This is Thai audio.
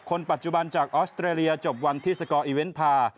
คนปัจจุบันจากออสเตรเลียจบวันที่สกอร์อีเวนต์พา